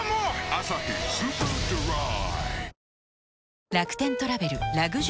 「アサヒスーパードライ」